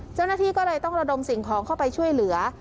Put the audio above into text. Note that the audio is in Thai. เจ้าหน้าที่ก็เลยต้องระดมสิ่งของเข้าไปช่วยเหลือ